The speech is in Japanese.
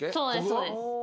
そうです。